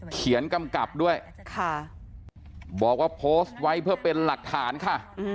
กำกับด้วยบอกว่าโพสต์ไว้เพื่อเป็นหลักฐานค่ะ